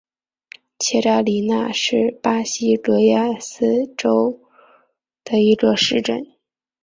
切扎里娜是巴西戈亚斯州的一个市镇。